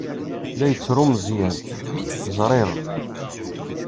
La yettru Meẓyan. Ẓriɣ.